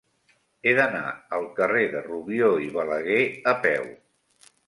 He d'anar al carrer de Rubió i Balaguer a peu.